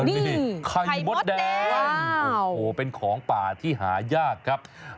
โอ้โหนี่ไข่มดแดงโอ้โหเป็นของป่าที่หายากครับไข่มดแดง